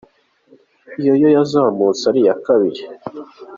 Iyi, yo yazamutse ari iya kabiri.